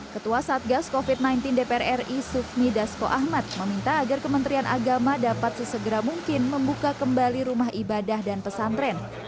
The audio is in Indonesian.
ketua satgas covid sembilan belas dpr ri sufmi dasko ahmad meminta agar kementerian agama dapat sesegera mungkin membuka kembali rumah ibadah dan pesantren